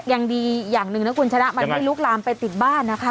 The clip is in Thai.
ยังดีอย่างหนึ่งนะคุณชนะมันไม่ลุกลามไปติดบ้านนะคะ